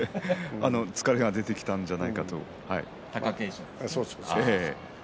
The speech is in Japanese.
疲れが出てきたんじゃないかって貴景勝に。